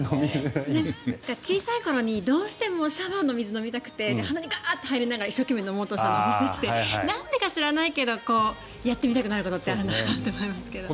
小さい頃にどうしてもシャワーの水を飲みたくて鼻にガーって入りながら一生懸命飲もうとしたりしてなんでか知らないけどやってみたくなることってあるんだなと思いますけど。